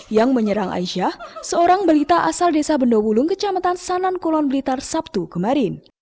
yang menyerang aisyah seorang belita asal desa bendowulung kecamatan sanan kulon blitar sabtu kemarin